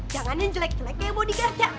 jangan yang jelek jelek kayak bodyguardnya